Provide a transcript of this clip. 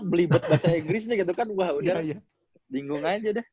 belibet bahasa inggrisnya gitu kan wah udah bingung aja deh